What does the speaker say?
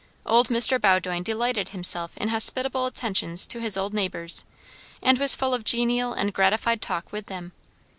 Old Mr. Bowdoin delighted himself in hospitable attentions to his old neighbours, and was full of genial and gratified talk with them.